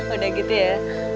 udah gitu ya